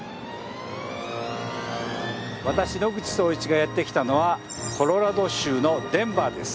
私野口聡一がやって来たのはコロラド州のデンバーです。